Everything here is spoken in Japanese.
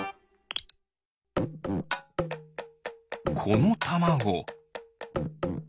このたまご。